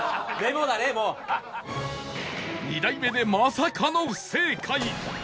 ２台目でまさかの不正解